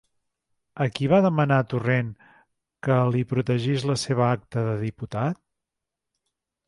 A qui va demanar Torrent que li protegís la seva acta de diputat?